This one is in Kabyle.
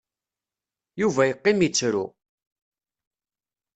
Yuba iqqim ittru.